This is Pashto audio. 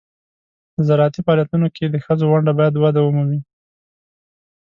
د زراعتي فعالیتونو کې د ښځو ونډه باید وده ومومي.